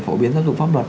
phổ biến giáo dục pháp luật